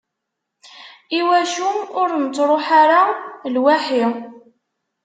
Iwacu ur nettruḥ ara lwaḥi?